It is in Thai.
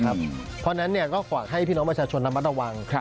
เพราะฉะนั้นก็ฝากให้พี่น้องประชาชนระมัดระวัง